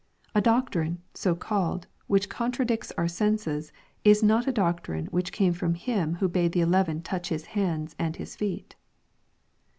A doctrine, so called, which contradicts oursenses, is not a doctrine which came from Him who bade the eleven touch His hands and His feet.